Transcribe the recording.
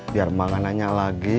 biar makanannya lagi